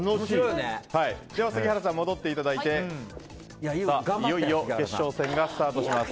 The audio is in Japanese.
杉原さん戻っていただいていよいよ決勝戦がスタートします。